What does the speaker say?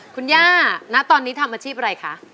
คุณย่าณตอนนี้ทำอาชีพอะไรคะ